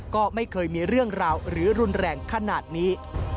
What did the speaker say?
ก็ไม่เคยมีเรื่องราวหรือรุนแรงขนาดนี้